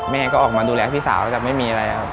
แม่ก็ออกมาดูแลพี่สาวแต่ไม่มีอะไรครับ